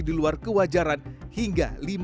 di luar kewajaran hingga